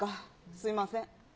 すみません。